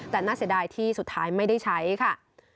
แต่น่าเสียดายที่สุดท้ายไม่ได้ใช้ค่ะ